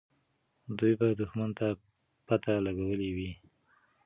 دوی به دښمن ته پته لګولې وي.